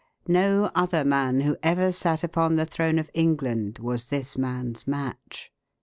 No other man who ever sat upon the throne of England was this man's match."